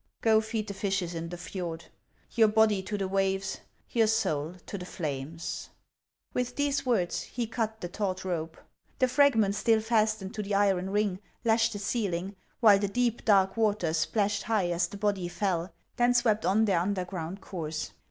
" Go feed the fishes in the fjord. Your body to the waves ; your soul to the flames !" With these words, he cut the taut rope. The fragment HAXS OF ICELAND. 519 still fastened to the iron ring lashed the ceiling, while the deep, dark waters splashed high as the body fell, then swept on their underground course.